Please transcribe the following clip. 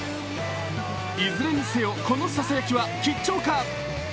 いずれにせよ、このささやきは吉兆か？